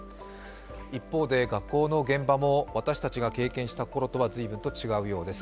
一方で学校の現場も私たちが経験したころとは随分違うようです。